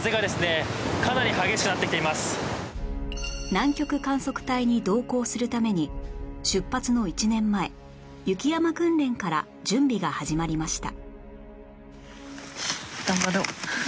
南極観測隊に同行するために出発の１年前雪山訓練から準備が始まりました